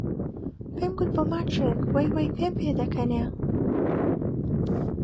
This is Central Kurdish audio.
پێم کوت بۆ ماچێک وەی وەی پێم پێ دەکەنێ